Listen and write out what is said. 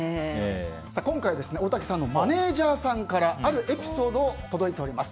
今回大竹さんのマネジャーさんからあるエピソードが届いております。